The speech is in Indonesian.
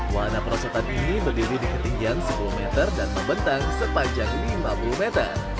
warna perosotan ini berdiri di ketinggian sepuluh meter dan membentang sepanjang lima puluh meter